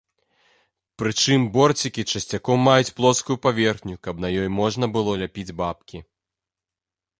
Прычым, борцікі часцяком маюць плоскую паверхню, каб на ёй можна было ляпіць бабкі.